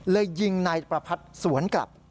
ยิงนายประพัทธ์สวนกลับ